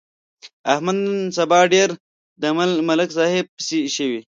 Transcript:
احمد نن سبا ډېر د ملک صاحب پسې شوی.